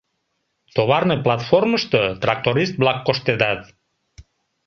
Товарный платформышто тракторист-влак коштедат.